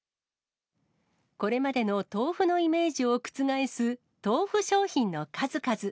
これまでの豆腐のイメージを覆す豆腐商品の数々。